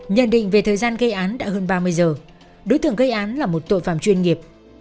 nhận định về thời gian gây án đã hơn ba mươi giờ đối tượng gây án là một tội phạm chuyên nghiệp